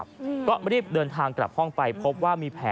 ก็รีบเดินทางกลับห้องไป